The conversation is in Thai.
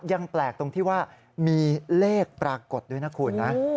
ยังแปลกตรงที่ว่ามีเลขปรากฏด้วยนะคุณนะ